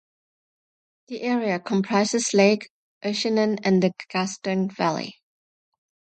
The area comprises Lake Oeschinen and the Gastern Valley.